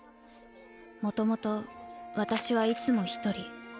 もともと私はいつも一人。